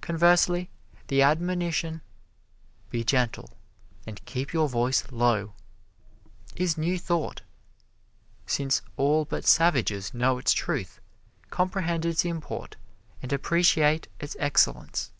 Conversely, the admonition, "Be gentle and keep your voice low," is New Thought, since all but savages know its truth, comprehend its import, and appreciate its excellence.